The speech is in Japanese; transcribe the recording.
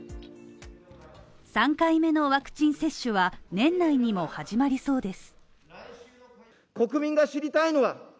３回目のワクチン接種は、年内にも始まりそうです